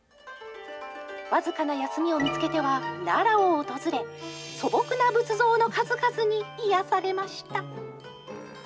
僅かな休みを見つけては、奈良を訪れ、素朴な仏像の数々に癒やされました。